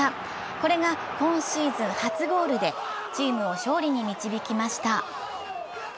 これが今シーズン初ゴールで、チームを勝利に導きました。